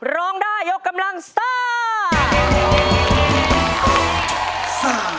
ร้องได้ยกกำลังซ่า